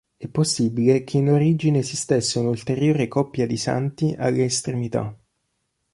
È possibile che in origine esistesse un'ulteriore coppia di santi alle estremità.